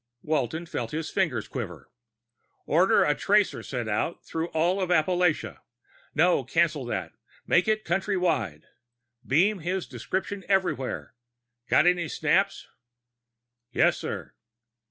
Walton felt his fingers quivering. "Order a tracer sent out through all of Appalachia. No, cancel that make it country wide. Beam his description everywhere. Got any snaps?" "Yes, sir."